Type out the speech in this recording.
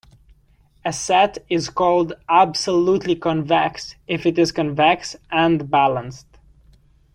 A set is called absolutely convex if it is convex and balanced.